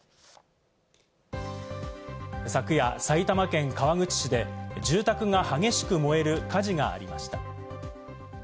昨夜、埼玉県川口市で住宅が激しく燃える火事がありました。